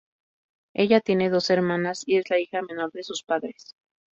Ella tiene dos hermanas y es la hija menor de sus padres.